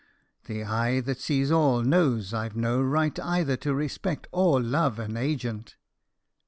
The Eye that sees all knows I've no right either to respect or love an agent!"